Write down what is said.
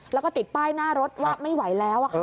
แล้วก็ติดป้ายหน้ารถว่าไม่ไหวแล้ว